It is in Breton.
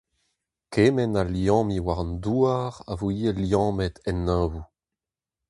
Kement a liammi war an douar a vo ivez liammet en Neñvoù.